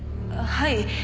はい。